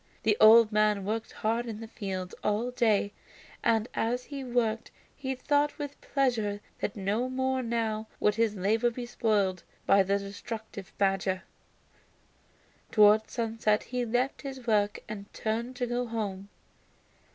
The old man worked hard in his fields all day, and as he worked he thought with pleasure that no more now would his labor be spoiled by the destructive badger. Towards sunset he left his work and turned to go home.